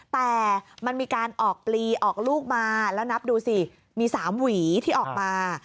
แต่มันมีการออกปลีออกลูกมาแล้วนับดูสิมี๓หวีที่ออกมา